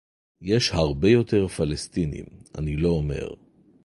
יש הרבה יותר פלסטינים - אני לא אומר